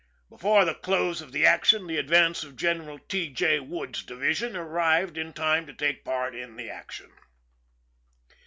Before the close of the action the advance of General T. J. Wood's division arrived in time to take part in the action.